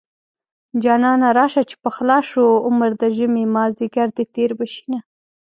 جانانه راشه چې پخلا شو عمر د ژمې مازديګر دی تېر به شينه